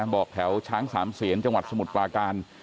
บอกแถวช้างสามเสียนจังหวัดสมุทรปราการ